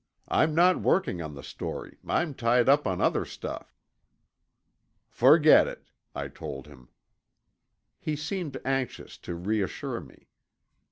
"I'm not working on the story—I'm tied up on other stuff." "Forget it," I told him. He seemed anxious to reassure me.